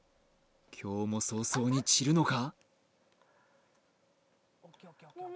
今日も早々に散るのか？